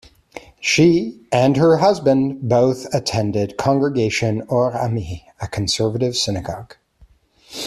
She and her husband both attended Congregation Or Ami, a conservative synagogue.